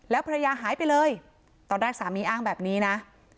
ภรรยาหายไปเลยตอนแรกสามีอ้างแบบนี้นะ